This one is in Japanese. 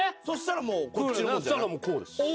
そしたらもうこうです。